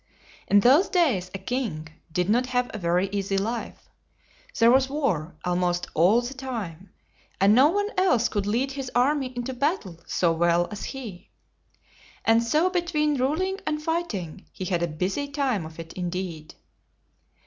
In those days a king did not have a very easy life. There was war almost all the time, and no one else could lead his army into battle so well as he. And so, between ruling and fighting, he had a busy time of it indeed.